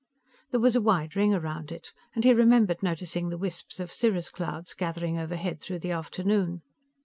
There was a wide ring around it, and he remembered noticing the wisps of cirrus clouds gathering overhead through the afternoon.